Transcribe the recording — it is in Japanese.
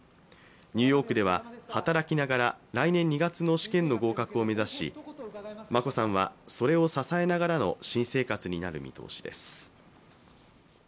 ニューヨークでは働きながら来年２月の試験の合格を目指し眞子さんはそれを支えながらの新生活になる見通しです。